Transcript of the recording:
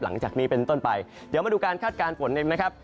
หลังจากนี้เป็นต้นไปเดี๋ยวมาดูการคาดการณ์ฝนกันนะครับ